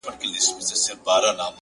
• دوهم دا چي څوک آفت وي د دوستانو ,